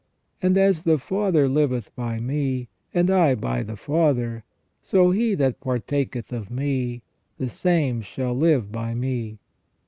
And " As the Father liveth by me, and I by the Father, so he that partaketh of Me, the same shall live by Me